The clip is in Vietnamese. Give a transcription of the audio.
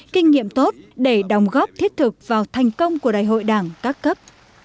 kinh nghiệm tốt để đồng góp thiết thực vào thành công của đại hội đảng các cấp